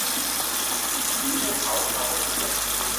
ผีไม่เผาเงาไม่เหยียบ